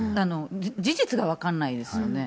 事実が分からないですよね。